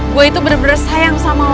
gue itu bener bener sayang sama